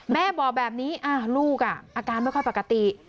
แม่บอกแบบนี้ลูกอาการไม่ค่อยปกติ